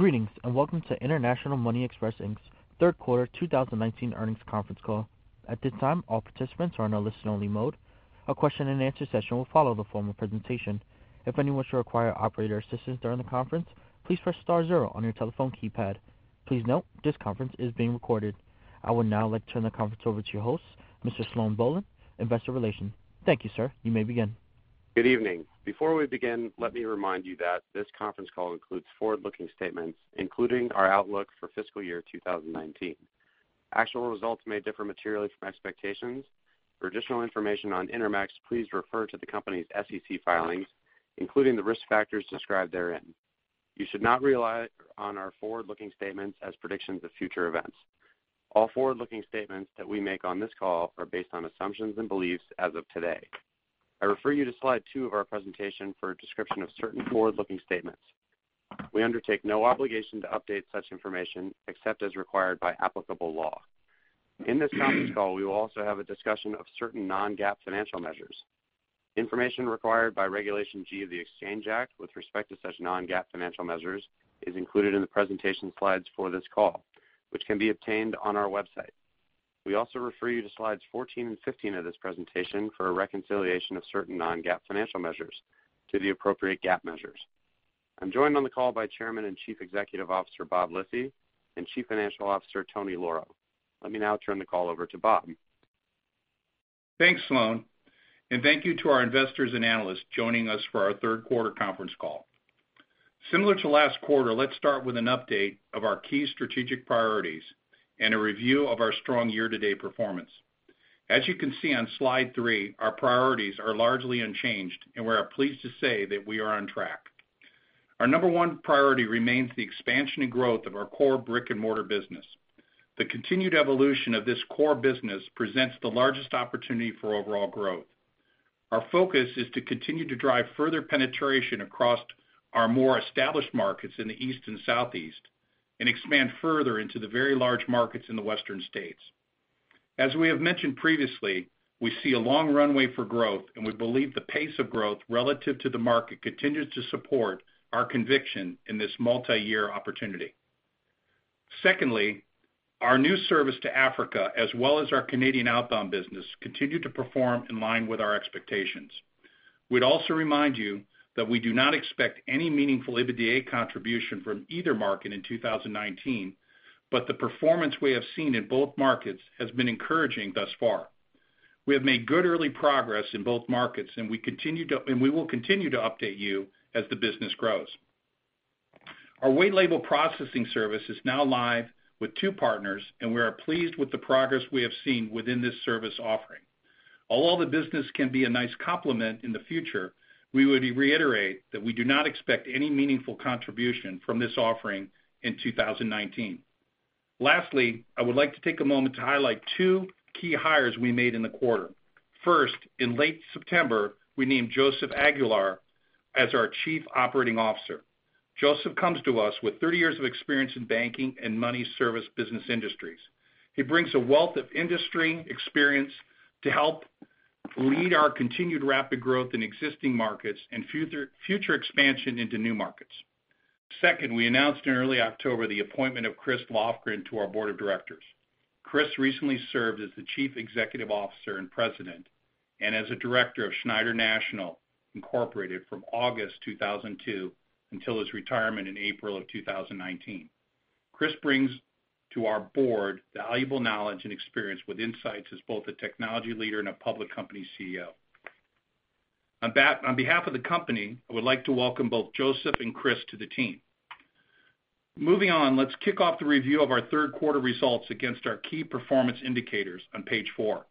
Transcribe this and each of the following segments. Greetings, welcome to International Money Express Inc.'s third quarter 2019 earnings conference call. At this time, all participants are in a listen only mode. A question and answer session will follow the formal presentation. If anyone should require operator assistance during the conference, please press star zero on your telephone keypad. Please note this conference is being recorded. I would now like to turn the conference over to your host, Mr. Sloan Bohlen, Investor Relations. Thank you, sir. You may begin. Good evening. Before we begin, let me remind you that this conference call includes forward-looking statements, including our outlook for fiscal year 2019. Actual results may differ materially from expectations. For additional information on Intermex, please refer to the company's SEC filings, including the risk factors described therein. You should not rely on our forward-looking statements as predictions of future events. All forward-looking statements that we make on this call are based on assumptions and beliefs as of today. I refer you to slide two of our presentation for a description of certain forward-looking statements. We undertake no obligation to update such information, except as required by applicable law. In this conference call, we will also have a discussion of certain non-GAAP financial measures. Information required by Regulation G of the Exchange Act with respect to such non-GAAP financial measures is included in the presentation slides for this call, which can be obtained on our website. We also refer you to slides 14 and 15 of this presentation for a reconciliation of certain non-GAAP financial measures to the appropriate GAAP measures. I am joined on the call by Chairman and Chief Executive Officer, Bob Lisy, and Chief Financial Officer, Tony Lauro. Let me now turn the call over to Bob. Thanks, Sloan, and thank you to our investors and analysts joining us for our third quarter conference call. Similar to last quarter, let's start with an update of our key strategic priorities and a review of our strong year-to-date performance. As you can see on slide three, our priorities are largely unchanged, and we are pleased to say that we are on track. Our number one priority remains the expansion and growth of our core brick-and-mortar business. The continued evolution of this core business presents the largest opportunity for overall growth. Our focus is to continue to drive further penetration across our more established markets in the East and Southeast and expand further into the very large markets in the Western states. As we have mentioned previously, we see a long runway for growth, and we believe the pace of growth relative to the market continues to support our conviction in this multiyear opportunity. Secondly, our new service to Africa, as well as our Canadian outbound business, continue to perform in line with our expectations. We'd also remind you that we do not expect any meaningful EBITDA contribution from either market in 2019, but the performance we have seen in both markets has been encouraging thus far. We have made good early progress in both markets, and we will continue to update you as the business grows. Our white label processing service is now live with two partners, and we are pleased with the progress we have seen within this service offering. Although the business can be a nice complement in the future, we would reiterate that we do not expect any meaningful contribution from this offering in 2019. Lastly, I would like to take a moment to highlight two key hires we made in the quarter. First, in late September, we named Joseph Aguilar as our Chief Operating Officer. Joseph comes to us with 30 years of experience in banking and money service business industries. He brings a wealth of industry experience to help lead our continued rapid growth in existing markets and future expansion into new markets. Second, we announced in early October the appointment of Chris Lofgren to our board of directors. Chris recently served as the Chief Executive Officer and President and as a director of Schneider National, Inc. from August 2002 until his retirement in April of 2019. Chris brings to our board valuable knowledge and experience with insights as both a technology leader and a public company CEO. On behalf of the company, I would like to welcome both Joseph and Chris to the team. Moving on, let's kick off the review of our third quarter results against our key performance indicators on page four,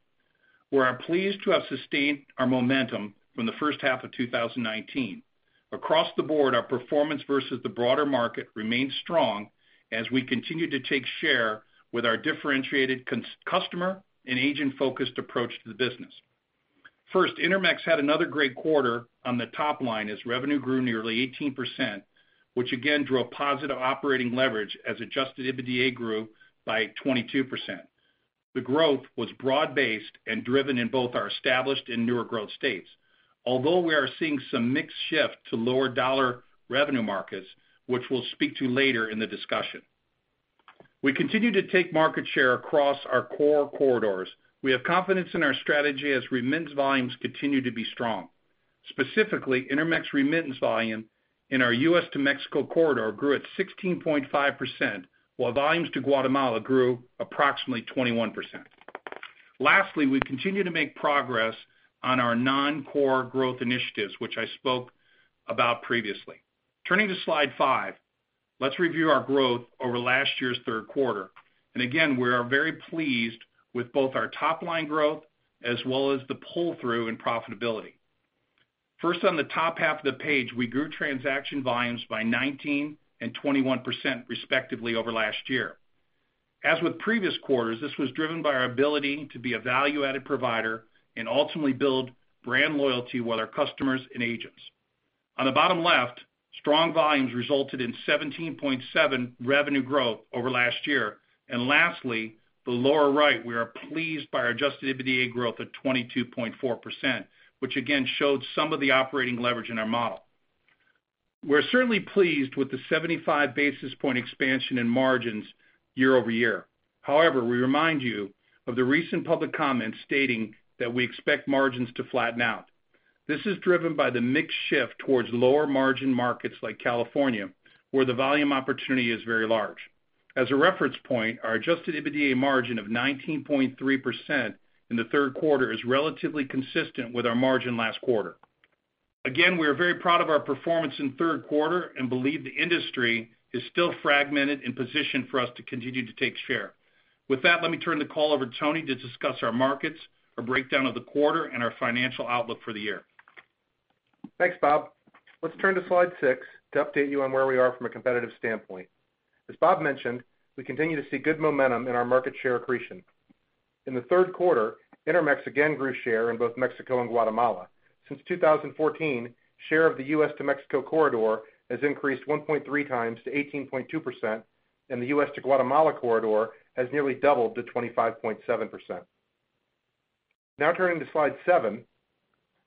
where I'm pleased to have sustained our momentum from the first half of 2019. Across the board, our performance versus the broader market remains strong as we continue to take share with our differentiated customer and agent-focused approach to the business. First, Intermex had another great quarter on the top line as revenue grew nearly 18%, which again drew a positive operating leverage as adjusted EBITDA grew by 22%. The growth was broad-based and driven in both our established and newer growth states. Although we are seeing some mixed shift to lower dollar revenue markets, which we'll speak to later in the discussion. We continue to take market share across our core corridors. We have confidence in our strategy as remittance volumes continue to be strong. Specifically, Intermex remittance volume in our U.S. to Mexico corridor grew at 16.5%, while volumes to Guatemala grew approximately 21%. Lastly, we continue to make progress on our non-core growth initiatives, which I spoke about previously. Turning to slide five, let's review our growth over last year's third quarter. Again, we are very pleased with both our top-line growth as well as the pull-through and profitability. First, on the top half of the page, we grew transaction volumes by 19% and 21% respectively over last year. As with previous quarters, this was driven by our ability to be a value-added provider and ultimately build brand loyalty with our customers and agents. On the bottom left, strong volumes resulted in 17.7% revenue growth over last year. Lastly, the lower right, we are pleased by our adjusted EBITDA growth of 22.4%, which again showed some of the operating leverage in our model. We're certainly pleased with the 75 basis point expansion in margins year-over-year. We remind you of the recent public comments stating that we expect margins to flatten out. This is driven by the mix shift towards lower margin markets like California, where the volume opportunity is very large. As a reference point, our adjusted EBITDA margin of 19.3% in the third quarter is relatively consistent with our margin last quarter. We are very proud of our performance in third quarter and believe the industry is still fragmented in position for us to continue to take share. With that, let me turn the call over to Tony to discuss our markets, our breakdown of the quarter, and our financial outlook for the year. Thanks, Bob. Let's turn to slide six to update you on where we are from a competitive standpoint. As Bob mentioned, we continue to see good momentum in our market share accretion. In the third quarter, Intermex again grew share in both Mexico and Guatemala. Since 2014, share of the U.S. to Mexico corridor has increased 1.3 times to 18.2%, and the U.S. to Guatemala corridor has nearly doubled to 25.7%. Turning to slide seven,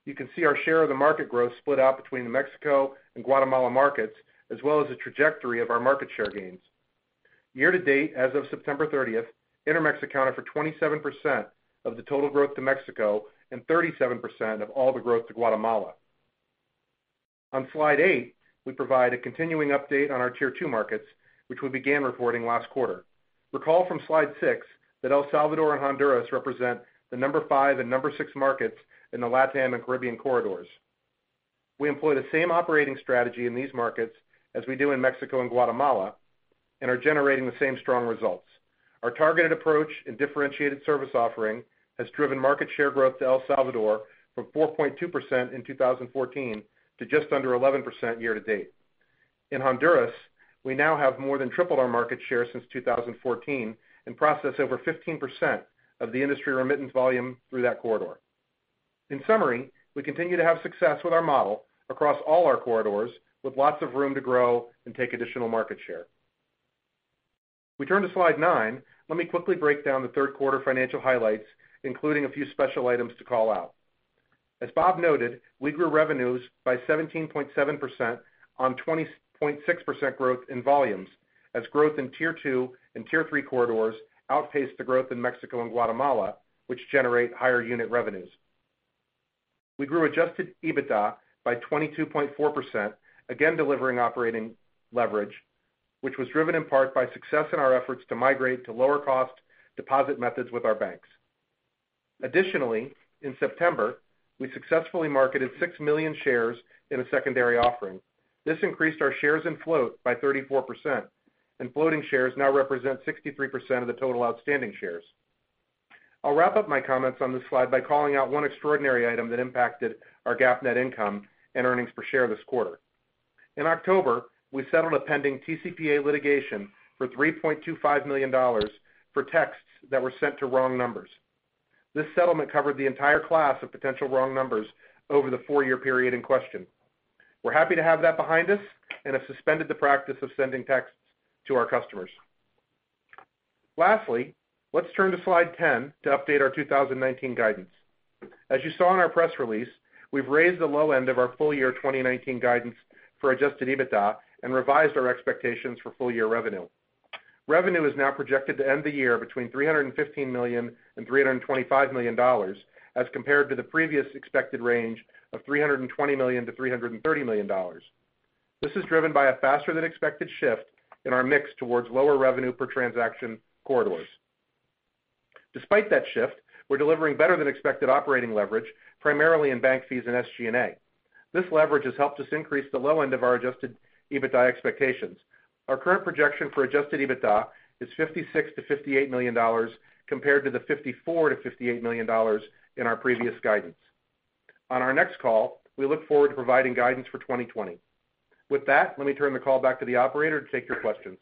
you can see our share of the market growth split out between the Mexico and Guatemala markets, as well as the trajectory of our market share gains. Year-to-date, as of September 30th, Intermex accounted for 27% of the total growth to Mexico and 37% of all the growth to Guatemala. On slide eight, we provide a continuing update on our tier 2 markets, which we began reporting last quarter. Recall from slide six that El Salvador and Honduras represent the number 5 and number 6 markets in the LatAm and Caribbean corridors. We employ the same operating strategy in these markets as we do in Mexico and Guatemala and are generating the same strong results. Our targeted approach and differentiated service offering has driven market share growth to El Salvador from 4.2% in 2014 to just under 11% year-to-date. In Honduras, we now have more than tripled our market share since 2014 and process over 15% of the industry remittance volume through that corridor. In summary, we continue to have success with our model across all our corridors, with lots of room to grow and take additional market share. We turn to slide nine. Let me quickly break down the third quarter financial highlights, including a few special items to call out. As Bob noted, we grew revenues by 17.7% on 20.6% growth in volumes as growth in tier 2 and tier 3 corridors outpaced the growth in Mexico and Guatemala, which generate higher unit revenues. We grew adjusted EBITDA by 22.4%, again delivering operating leverage, which was driven in part by success in our efforts to migrate to lower cost deposit methods with our banks. Additionally, in September, we successfully marketed 6 million shares in a secondary offering. This increased our shares in float by 34%, and floating shares now represent 63% of the total outstanding shares. I'll wrap up my comments on this slide by calling out one extraordinary item that impacted our GAAP net income and earnings per share this quarter. In October, we settled a pending TCPA litigation for $3.25 million for texts that were sent to wrong numbers. This settlement covered the entire class of potential wrong numbers over the four-year period in question. We're happy to have that behind us and have suspended the practice of sending texts to our customers. Lastly, let's turn to slide 10 to update our 2019 guidance. As you saw in our press release, we've raised the low end of our full year 2019 guidance for adjusted EBITDA and revised our expectations for full year revenue. Revenue is now projected to end the year between $315 million and $325 million, as compared to the previous expected range of $320 million-$330 million. This is driven by a faster than expected shift in our mix towards lower revenue per transaction corridors. Despite that shift, we're delivering better than expected operating leverage, primarily in bank fees and SG&A. This leverage has helped us increase the low end of our adjusted EBITDA expectations. Our current projection for adjusted EBITDA is $56 million-$58 million, compared to the $54 million-$58 million in our previous guidance. On our next call, we look forward to providing guidance for 2020. With that, let me turn the call back to the operator to take your questions.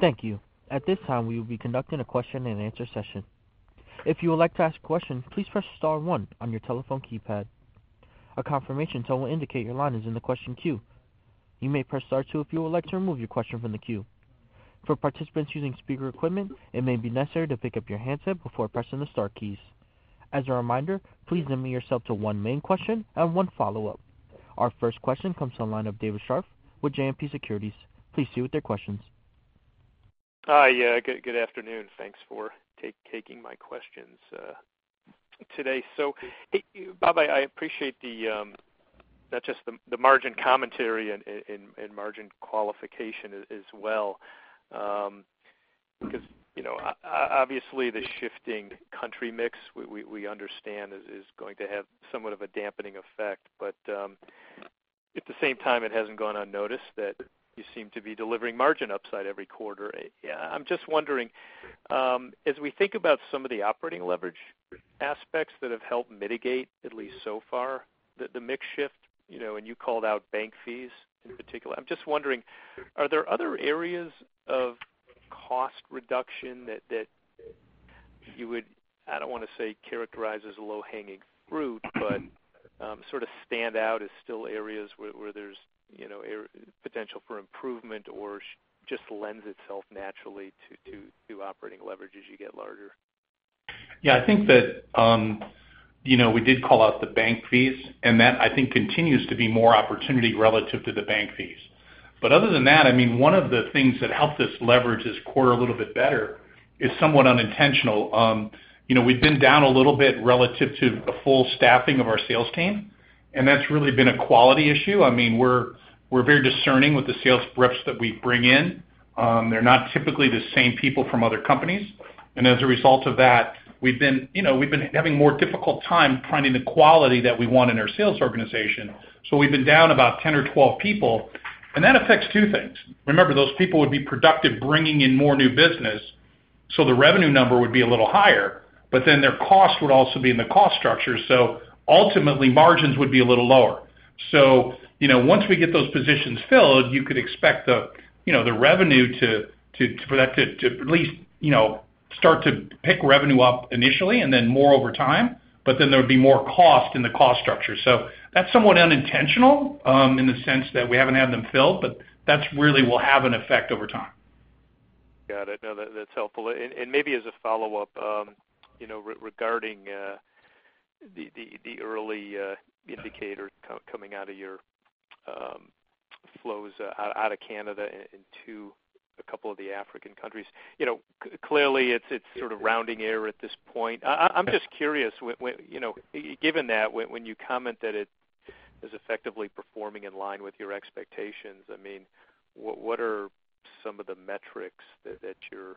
Thank you. At this time, we will be conducting a question and answer session. If you would like to ask a question, please press star one on your telephone keypad. A confirmation tone will indicate your line is in the question queue. You may press star two if you would like to remove your question from the queue. For participants using speaker equipment, it may be necessary to pick up your handset before pressing the star keys. As a reminder, please limit yourself to one main question and one follow-up. Our first question comes to the line of David Scharf with JMP Securities. Please proceed with your questions. Hi. Yeah, good afternoon. Thanks for taking my questions today. Bob, I appreciate not just the margin commentary and margin qualification as well because obviously the shifting country mix we understand is going to have somewhat of a dampening effect. At the same time, it hasn't gone unnoticed that you seem to be delivering margin upside every quarter. I'm just wondering, as we think about some of the operating leverage aspects that have helped mitigate, at least so far, the mix shift, and you called out bank fees in particular. I'm just wondering, are there other areas of cost reduction that you would, I don't want to say characterize as low-hanging fruit, but sort of stand out as still areas where there's potential for improvement or just lends itself naturally to operating leverage as you get larger? I think that we did call out the bank fees. That I think continues to be more opportunity relative to the bank fees. Other than that, one of the things that helped us leverage this quarter a little bit better is somewhat unintentional. We've been down a little bit relative to a full staffing of our sales team. That's really been a quality issue. We're very discerning with the sales reps that we bring in. They're not typically the same people from other companies. As a result of that, we've been having more difficult time finding the quality that we want in our sales organization. We've been down about 10 or 12 people. That affects two things. Remember, those people would be productive, bringing in more new business. The revenue number would be a little higher, but then their cost would also be in the cost structure. Ultimately, margins would be a little lower. Once we get those positions filled, you could expect the revenue to at least start to pick revenue up initially and then more over time. There would be more cost in the cost structure. That's somewhat unintentional, in the sense that we haven't had them filled, but that really will have an effect over time. Got it. No, that's helpful. Maybe as a follow-up, regarding the early indicator coming out of your flows out of Canada and into a couple of the African countries. Clearly, it's sort of rounding error at this point. I'm just curious, given that when you comment that it is effectively performing in line with your expectations, what are some of the metrics that you're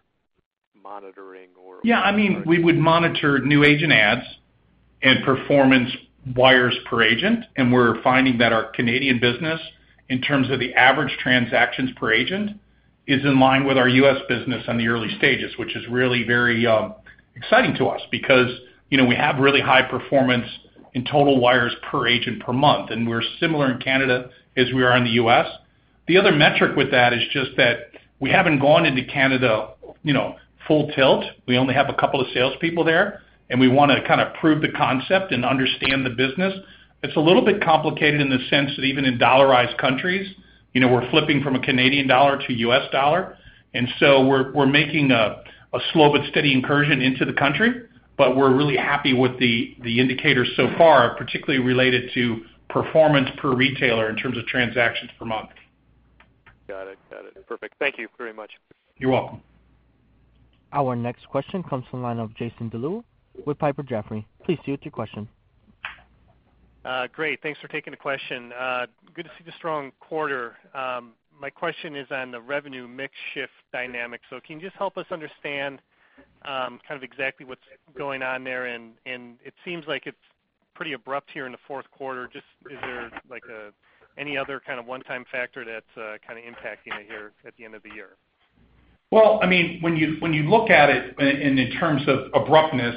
monitoring? Yeah, we would monitor new agent adds and performance wires per agent. We're finding that our Canadian business, in terms of the average transactions per agent, is in line with our U.S. business on the early stages, which is really very exciting to us because we have really high performance in total wires per agent per month. We're similar in Canada as we are in the U.S. The other metric with that is just that we haven't gone into Canada full tilt. We only have a couple of salespeople there, and we want to kind of prove the concept and understand the business. It's a little bit complicated in the sense that even in dollarized countries, we're flipping from a Canadian dollar to U.S. dollar. We're making a slow but steady incursion into the country. We're really happy with the indicators so far, particularly related to performance per retailer in terms of transactions per month. Got it. Perfect. Thank you very much. You're welcome. Our next question comes from line of Jason Deleeuw with Piper Jaffray. Please proceed with your question. Great. Thanks for taking the question. Good to see the strong quarter. My question is on the revenue mix shift dynamic. Can you just help us understand kind of exactly what's going on there? It seems like it's pretty abrupt here in the fourth quarter. Just is there any other kind of one-time factor that's kind of impacting it here at the end of the year? When you look at it and in terms of abruptness,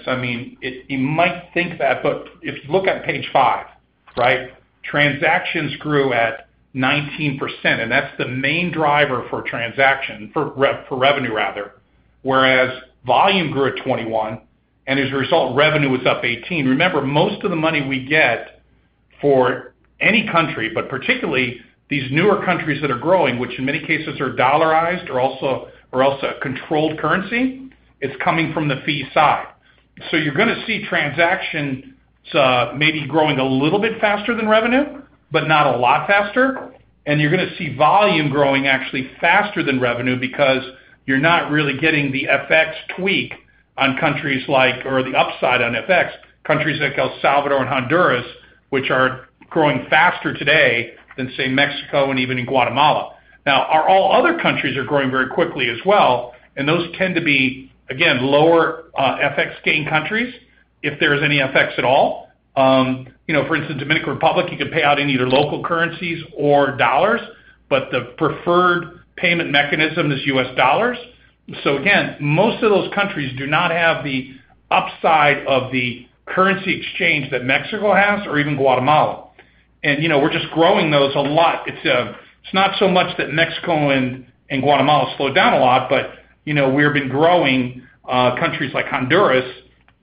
you might think that, but if you look at page five, right? Transactions grew at 19%, and that's the main driver for revenue. Whereas volume grew at 21%, and as a result, revenue was up 18%. Remember, most of the money we get for any country, but particularly these newer countries that are growing, which in many cases are dollarized or also a controlled currency, it's coming from the fee side. You're going to see transactions maybe growing a little bit faster than revenue, but not a lot faster. You're going to see volume growing actually faster than revenue because you're not really getting the FX tweak on countries like, or the upside on FX, countries like El Salvador and Honduras, which are growing faster today than, say, Mexico and even in Guatemala. Now, all other countries are growing very quickly as well, and those tend to be, again, lower FX gain countries, if there is any FX at all. For instance, Dominican Republic, you could pay out in either local currencies or $, but the preferred payment mechanism is U.S. $. Again, most of those countries do not have the upside of the currency exchange that Mexico has or even Guatemala. We're just growing those a lot. It's not so much that Mexico and Guatemala slowed down a lot, but we've been growing countries like Honduras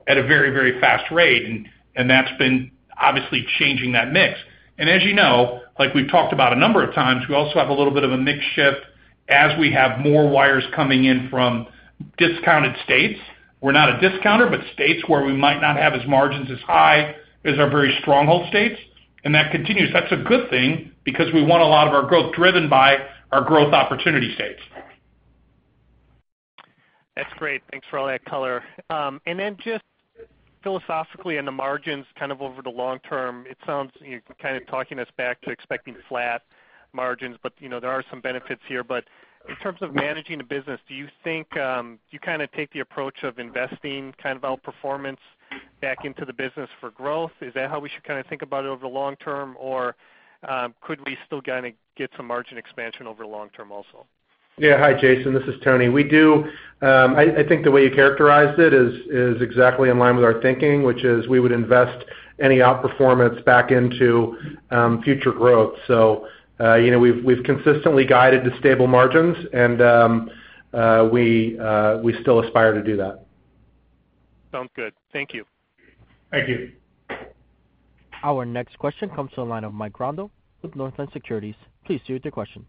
at a very fast rate, and that's been obviously changing that mix. As you know, like we've talked about a number of times, we also have a little bit of a mix shift as we have more wires coming in from discounted states. We're not a discounter, but states where we might not have as margins as high as our very stronghold states, and that continues. That's a good thing because we want a lot of our growth driven by our growth opportunity states. That's great. Thanks for all that color. Then just philosophically in the margins, kind of over the long term, it sounds you're kind of talking us back to expecting flat margins, but there are some benefits here. In terms of managing the business, do you think you kind of take the approach of investing kind of outperformance back into the business for growth? Is that how we should kind of think about it over the long term? Could we still kind of get some margin expansion over the long term also? Yeah. Hi, Jason. This is Tony. I think the way you characterized it is exactly in line with our thinking, which is we would invest any outperformance back into future growth. We've consistently guided to stable margins, and we still aspire to do that. Sounds good. Thank you. Thank you. Our next question comes to the line of Mike Grondahl with Northland Securities. Please proceed with your question.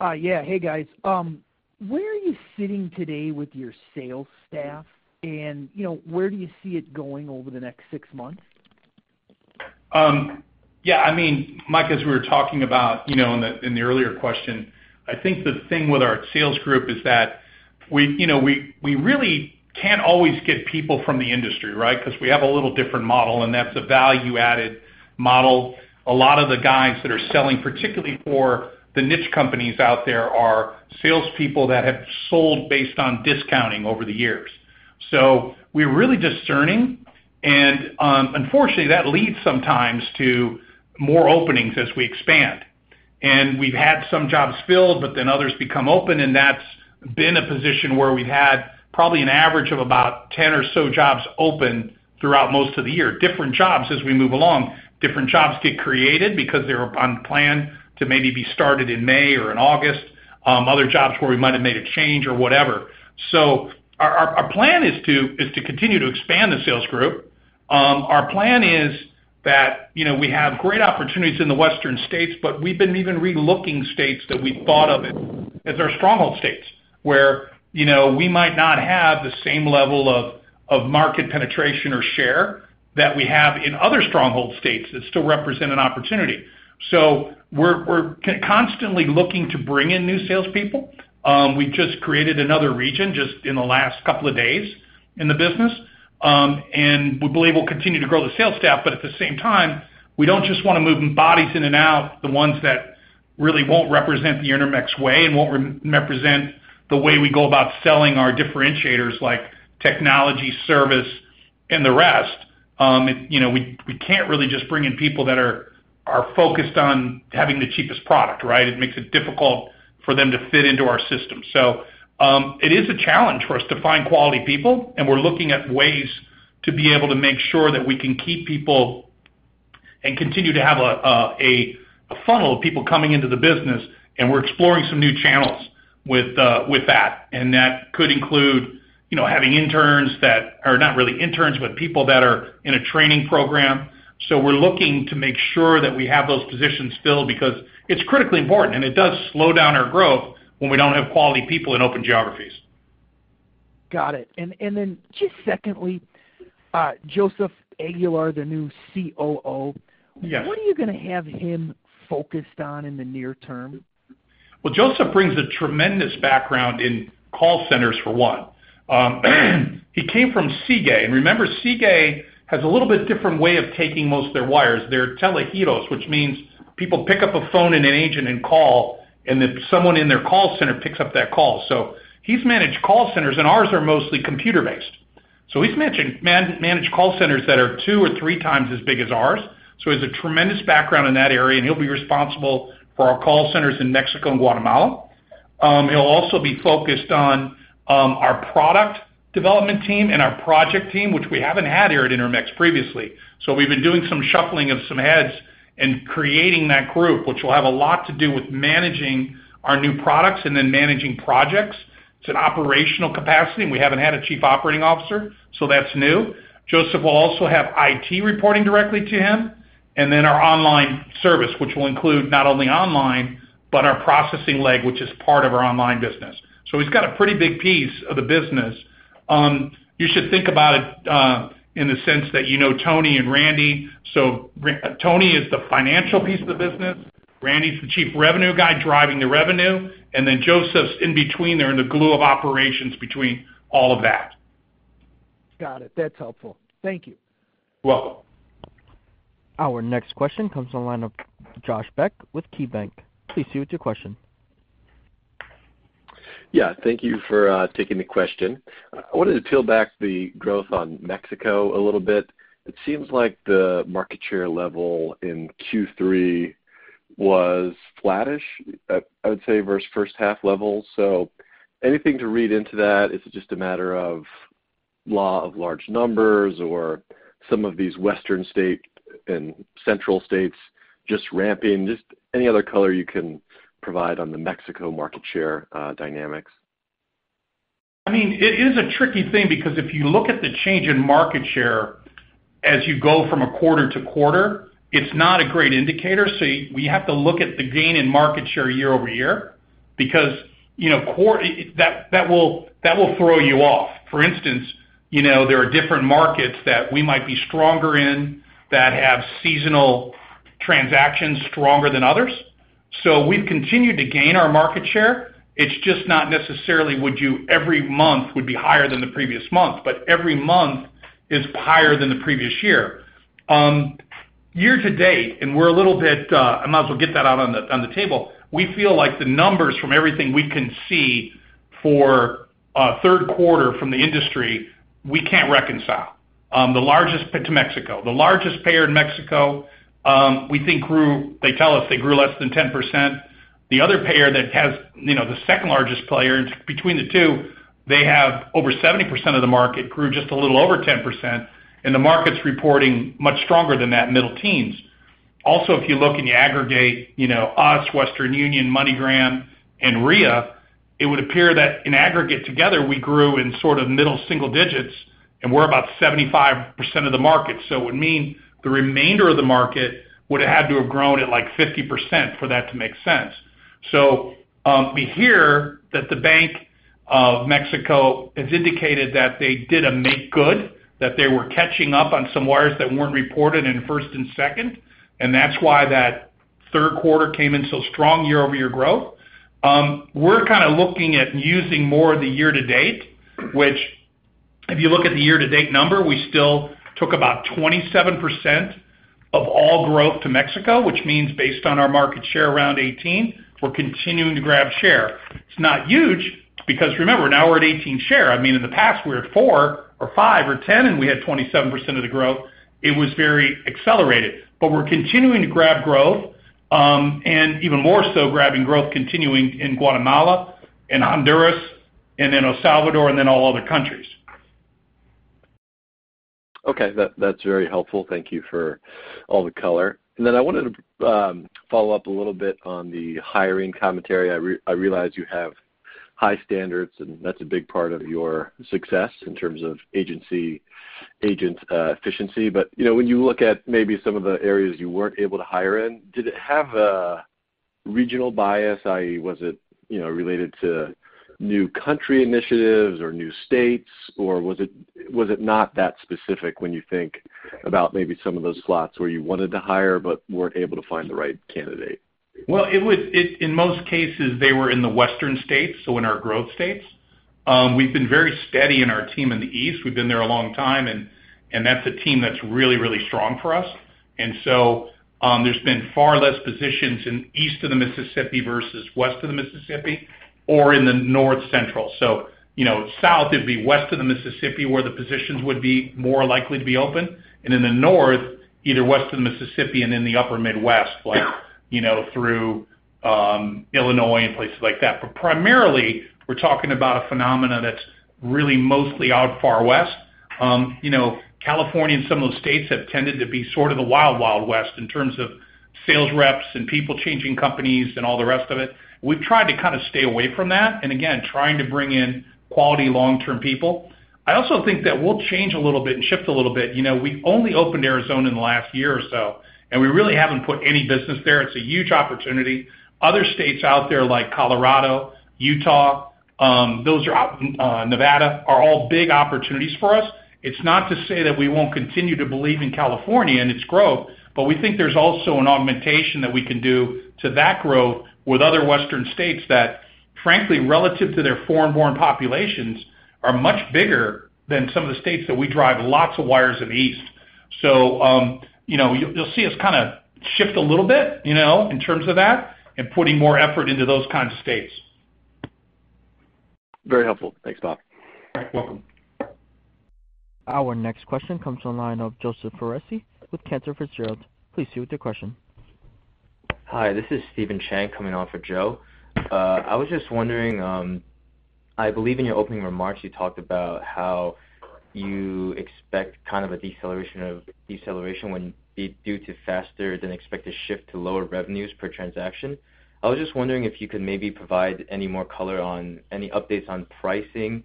Yeah. Hey, guys. Where are you sitting today with your sales staff, and where do you see it going over the next six months? Yeah, Mike, as we were talking about in the earlier question, I think the thing with our sales group is that we really can't always get people from the industry. We have a little different model, and that's a value-added model. A lot of the guys that are selling, particularly for the niche companies out there, are salespeople that have sold based on discounting over the years. We're really discerning, and unfortunately, that leads sometimes to more openings as we expand. We've had some jobs filled, others become open, and that's been a position where we've had probably an average of about 10 or so jobs open throughout most of the year. Different jobs as we move along. Different jobs get created because they're on plan to maybe be started in May or in August. Other jobs where we might have made a change or whatever. Our plan is to continue to expand the sales group. Our plan is that we have great opportunities in the western states, but we've been even re-looking states that we thought of as our stronghold states, where we might not have the same level of market penetration or share that we have in other stronghold states that still represent an opportunity. We're constantly looking to bring in new salespeople. We just created another region just in the last couple of days in the business. We believe we'll continue to grow the sales staff, but at the same time, we don't just want to move bodies in and out, the ones that really won't represent the Intermex way and won't represent the way we go about selling our differentiators like technology, service, and the rest. We can't really just bring in people that are focused on having the cheapest product. It makes it difficult for them to fit into our system. It is a challenge for us to find quality people, and we're looking at ways to be able to make sure that we can keep people and continue to have a funnel of people coming into the business, and we're exploring some new channels with that. That could include having interns that are, not really interns, but people that are in a training program. We're looking to make sure that we have those positions filled because it's critically important, and it does slow down our growth when we don't have quality people in open geographies. Got it. Then just secondly, Joseph Aguilar, the new COO. Yes. What are you going to have him focused on in the near term? Joseph brings a tremendous background in call centers, for one. He came from Sigue, and remember, Sigue has a little bit different way of taking most of their wires. They're tele-orders, which means people pick up a phone and an agent and call, and then someone in their call center picks up that call. He's managed call centers, and ours are mostly computer-based. He's managed call centers that are 2 or 3 times as big as ours. He has a tremendous background in that area, and he'll be responsible for our call centers in Mexico and Guatemala. He'll also be focused on our product development team and our project team, which we haven't had here at Intermex previously. We've been doing some shuffling of some heads and creating that group, which will have a lot to do with managing our new products and then managing projects. It's an operational capacity, and we haven't had a Chief Operating Officer, that's new. Joseph will also have IT reporting directly to him, and then our online service, which will include not only online, but our processing leg, which is part of our online business. He's got a pretty big piece of the business. You should think about it in the sense that you know Tony and Randy. Tony is the financial piece of the business, Randy's the Chief Revenue Guy driving the revenue, and then Joseph's in between there in the glue of operations between all of that. Got it. That's helpful. Thank you. Welcome. Our next question comes on the line of Josh Beck with KeyBanc. Please proceed with your question. Yeah, thank you for taking the question. I wanted to peel back the growth on Mexico a little bit. It seems like the market share level in Q3 was flattish, I would say versus first half levels. Anything to read into that? Is it just a matter of law of large numbers or some of these western state and central states just ramping? Just any other color you can provide on the Mexico market share dynamics. It is a tricky thing because if you look at the change in market share as you go from a quarter-to-quarter, it's not a great indicator. You have to look at the gain in market share year-over-year because that will throw you off. For instance, there are different markets that we might be stronger in that have seasonal transactions stronger than others. We've continued to gain our market share. It's just not necessarily every month would be higher than the previous month, but every month is higher than the previous year. Year-to-date, and I might as well get that out on the table, we feel like the numbers from everything we can see for third quarter from the industry, we can't reconcile to Mexico. The largest payer in Mexico, they tell us they grew less than 10%. The other payer that has the second-largest player, between the two, they have over 70% of the market, grew just a little over 10%, the market's reporting much stronger than that, middle teens. If you look and you aggregate us, Western Union, MoneyGram, and Ria. It would appear that in aggregate together, we grew in middle single digits, we're about 75% of the market. It would mean the remainder of the market would've had to have grown at 50% for that to make sense. We hear that the Bank of Mexico has indicated that they did a make good, that they were catching up on some wires that weren't reported in first and second, that's why that third quarter came in so strong year-over-year growth. We're looking at using more of the year-to-date, which if you look at the year-to-date number, we still took about 27% of all growth to Mexico, which means based on our market share around 18, we're continuing to grab share. It's not huge because remember, now we're at 18 share. In the past we were at 4 or 5 or 10, and we had 27% of the growth. It was very accelerated. We're continuing to grab growth, and even more so grabbing growth continuing in Guatemala and Honduras and then El Salvador and then all other countries. Okay. That's very helpful. Thank you for all the color. I wanted to follow up a little bit on the hiring commentary. I realize you have high standards, and that's a big part of your success in terms of agency agent efficiency. When you look at maybe some of the areas you weren't able to hire in, did it have a regional bias, i.e., was it related to new country initiatives or new states, or was it not that specific when you think about maybe some of those slots where you wanted to hire but weren't able to find the right candidate? In most cases, they were in the western states, so in our growth states. We've been very steady in our team in the East. We've been there a long time, and that's a team that's really strong for us. There's been far less positions in east of the Mississippi versus west of the Mississippi or in the North Central. South, it'd be west of the Mississippi, where the positions would be more likely to be open. In the north, either west of the Mississippi and in the upper Midwest, through Illinois and places like that. Primarily, we're talking about a phenomena that's really mostly out far west. California and some of those states have tended to be sort of the Wild Wild West in terms of sales reps and people changing companies and all the rest of it. We've tried to stay away from that, and again, trying to bring in quality long-term people. I also think that we'll change a little bit and shift a little bit. We only opened Arizona in the last year or so, and we really haven't put any business there. It's a huge opportunity. Other states out there like Colorado, Utah, Nevada, are all big opportunities for us. It's not to say that we won't continue to believe in California and its growth, but we think there's also an augmentation that we can do to that growth with other western states that frankly, relative to their foreign-born populations, are much bigger than some of the states that we drive lots of wires in the East. You'll see us shift a little bit in terms of that and putting more effort into those kinds of states. Very helpful. Thanks, Bob. You're welcome. Our next question comes to the line of Joseph Foresi with Cantor Fitzgerald. Please proceed with your question. Hi, this is Steven Chang coming on for Joe. I was just wondering, I believe in your opening remarks, you talked about how you expect a deceleration due to faster than expected shift to lower revenues per transaction. I was just wondering if you could maybe provide any more color on any updates on pricing,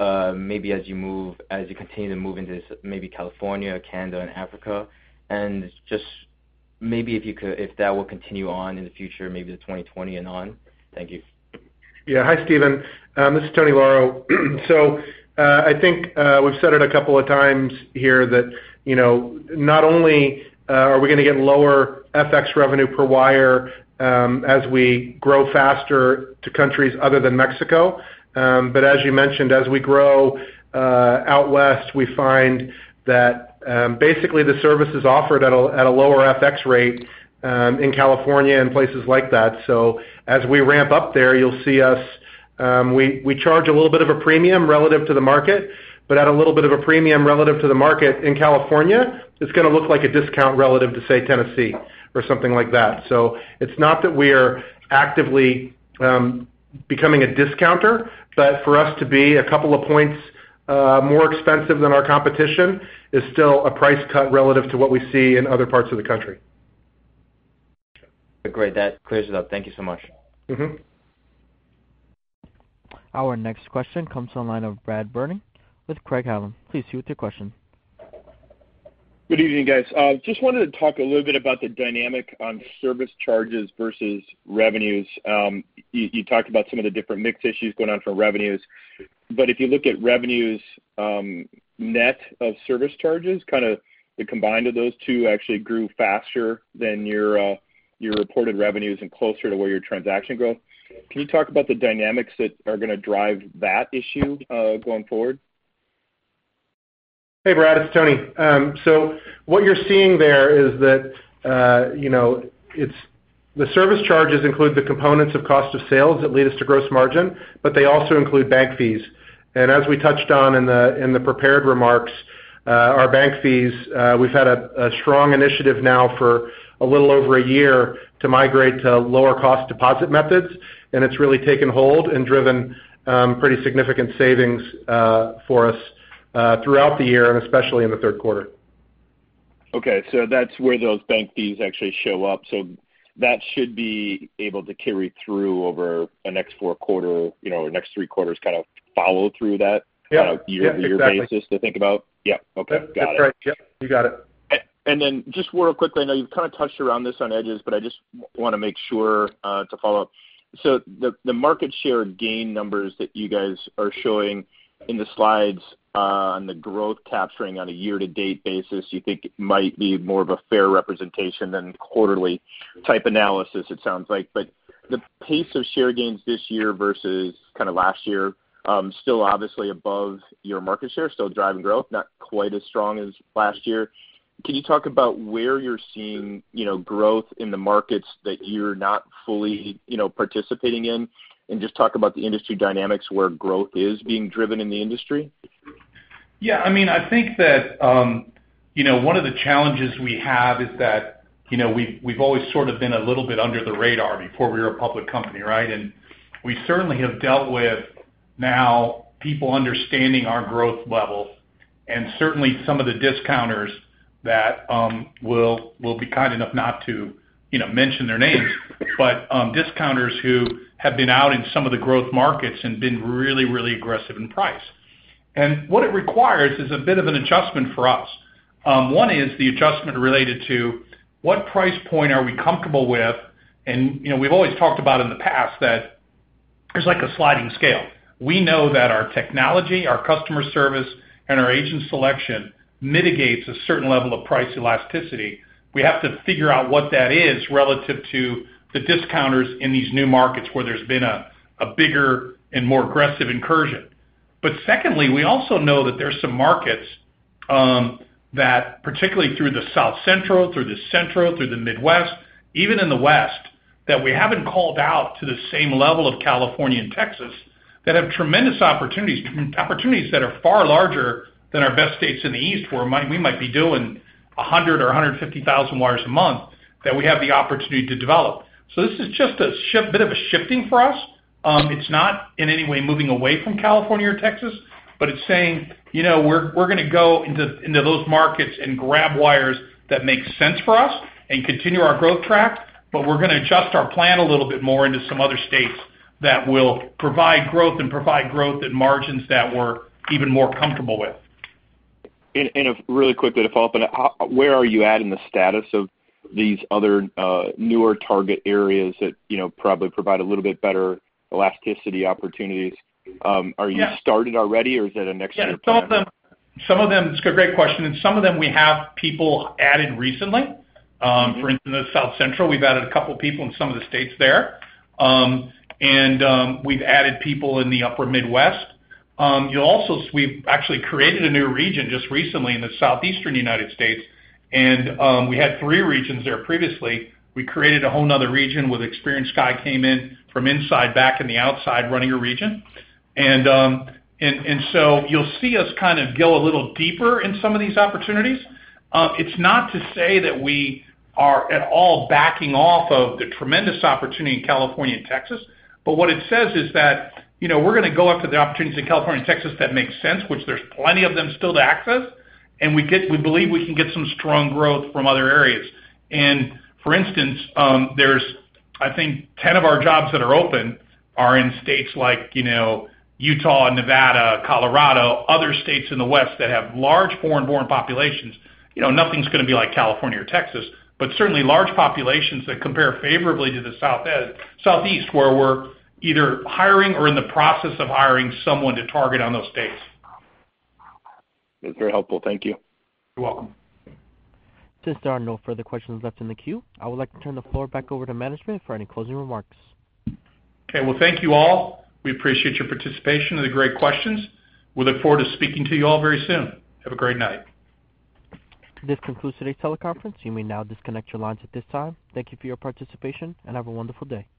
maybe as you continue to move into maybe California, Canada, and Africa. Just maybe if that will continue on in the future, maybe to 2020 and on. Thank you. Hi, Steven. This is Tony Lauro. I think we've said it a couple of times here that not only are we going to get lower FX revenue per wire as we grow faster to countries other than Mexico, but as you mentioned, as we grow out west, we find that basically the service is offered at a lower FX rate in California and places like that. As we ramp up there, we charge a little bit of a premium relative to the market, but at a little bit of a premium relative to the market in California, it's going to look like a discount relative to, say, Tennessee or something like that. It's not that we're actively becoming a discounter, but for us to be a couple of points more expensive than our competition is still a price cut relative to what we see in other parts of the country. Great. That clears it up. Thank you so much. Our next question comes to the line of Brad Berning with Craig-Hallum. Please proceed with your question. Good evening, guys. Just wanted to talk a little bit about the dynamic on service charges versus revenues. You talked about some of the different mix issues going on for revenues, if you look at revenues net of service charges, the combine of those two actually grew faster than your reported revenues and closer to where your transaction growth. Can you talk about the dynamics that are going to drive that issue going forward? Hey, Brad. It's Tony. What you're seeing there is that the service charges include the components of cost of sales that lead us to gross margin, but they also include bank fees. As we touched on in the prepared remarks, our bank fees, we've had a strong initiative now for a little over a year to migrate to lower-cost deposit methods, and it's really taken hold and driven pretty significant savings for us throughout the year, and especially in the third quarter. Okay. That's where those bank fees actually show up. That should be able to carry through over the next four quarter, next three quarters kind of follow through that. Yeah kind of year-over-year basis to think about. Yeah. Okay. Got it. That's right. Yep. You got it. Just real quickly, I know you've kind of touched around this on edges, but I just want to make sure to follow up. The market share gain numbers that you guys are showing in the slides on the growth capturing on a year-to-date basis, you think it might be more of a fair representation than quarterly type analysis, it sounds like. The pace of share gains this year versus kind of last year, still obviously above your market share, still driving growth, not quite as strong as last year. Can you talk about where you're seeing growth in the markets that you're not fully participating in? Just talk about the industry dynamics where growth is being driven in the industry. Yeah, I think that one of the challenges we have is that we've always sort of been a little bit under the radar before we were a public company, right? We certainly have dealt with now people understanding our growth level, and certainly some of the discounters that, will be kind enough not to mention their names, but discounters who have been out in some of the growth markets and been really, really aggressive in price. What it requires is a bit of an adjustment for us. One is the adjustment related to what price point are we comfortable with, and we've always talked about in the past that there's like a sliding scale. We know that our technology, our customer service, and our agent selection mitigates a certain level of price elasticity. We have to figure out what that is relative to the discounters in these new markets where there's been a bigger and more aggressive incursion. Secondly, we also know that there's some markets that, particularly through the South Central, through the Central, through the Midwest, even in the West, that we haven't called out to the same level of California and Texas, that have tremendous opportunities. Opportunities that are far larger than our best states in the East, where we might be doing 100,000 or 150,000 wires a month that we have the opportunity to develop. This is just a bit of a shifting for us. It's not in any way moving away from California or Texas, but it's saying, we're going to go into those markets and grab wires that make sense for us and continue our growth track, but we're going to adjust our plan a little bit more into some other states that will provide growth, and provide growth at margins that we're even more comfortable with. Really quickly to follow up on that, where are you at in the status of these other newer target areas that probably provide a little bit better elasticity opportunities? Yeah. Are you started already or is it a next year plan? It's a great question. In some of them, we have people added recently. For instance, South Central, we've added a couple people in some of the states there. We've added people in the upper Midwest. We've actually created a new region just recently in the Southeastern United States, and we had three regions there previously. We created a whole another region with an experienced guy, came in from inside back in the outside, running a region. You'll see us kind of go a little deeper in some of these opportunities. It's not to say that we are at all backing off of the tremendous opportunity in California and Texas. What it says is that we're going to go after the opportunities in California and Texas that make sense, which there's plenty of them still to access. We believe we can get some strong growth from other areas. For instance, there's, I think, 10 of our jobs that are open are in states like Utah, Nevada, Colorado, other states in the West that have large foreign-born populations. Nothing's going to be like California or Texas, but certainly large populations that compare favorably to the Southeast, where we're either hiring or in the process of hiring someone to target on those states. That's very helpful. Thank you. You're welcome. Since there are no further questions left in the queue, I would like to turn the floor back over to management for any closing remarks. Okay. Well, thank you all. We appreciate your participation and the great questions. We look forward to speaking to you all very soon. Have a great night. This concludes today's teleconference. You may now disconnect your lines at this time. Thank you for your participation, and have a wonderful day.